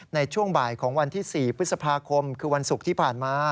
ในช่วงบ่ายของวันที่๔พฤษภาคมคือวันศุกร์ที่ผ่านมา